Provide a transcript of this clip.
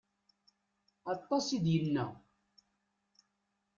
Aṭas i d-yenna.